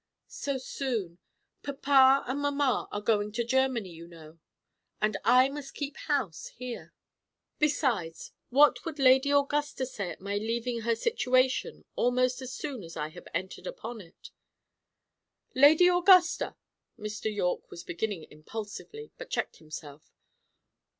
"So soon. Papa and mamma are going to Germany, you know, and I must keep house here. Besides, what would Lady Augusta say at my leaving her situation almost as soon as I have entered upon it?" "Lady Augusta " Mr. Yorke was beginning impulsively, but checked himself.